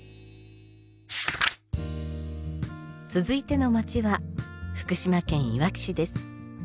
続いての町は福島県いわき市です。